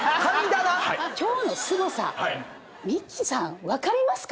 今日のすごさミキさん分かりますか？